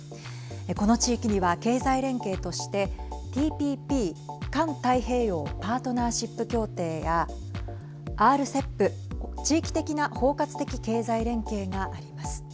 この地域には、経済連携としてＴＰＰ＝環太平洋パートナーシップ協定やＲＣＥＰ＝地域的な包括的経済連携があります。